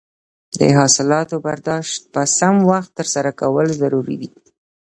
د حاصلاتو برداشت په سم وخت ترسره کول ضروري دي.